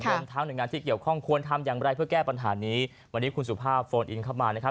รวมทั้งหน่วยงานที่เกี่ยวข้องควรทำอย่างไรเพื่อแก้ปัญหานี้วันนี้คุณสุภาพโฟนอินเข้ามานะครับ